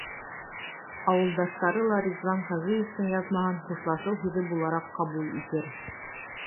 Ауылдаштары ла Ризван Хажиевтың яҙмаһын хушлашыу һүҙе булараҡ ҡабул итер.